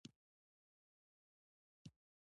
آیا ټول یو ولسمشر مني؟